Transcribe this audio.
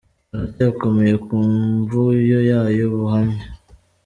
iracyakomeye ku mvuyo yayo, bahamya.